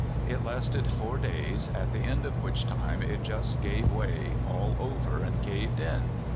It lasted four days, at the end of which time it just gave way all over, and caved in.